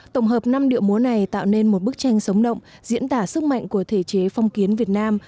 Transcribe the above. tổng hợp năm điệu múa này tạo nên một bức tranh sống động diễn tả sức mạnh của thể chế phong kiến việt nam